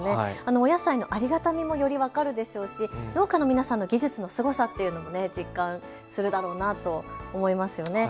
お野菜のありがたみもより分かるでしょうし農家の皆さんの技術のすごさというのも実感するだろうなと思いますよね。